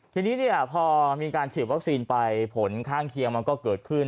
ทีนี้พอมีการฉีดวัคซีนไปผลข้างเคียงมันก็เกิดขึ้น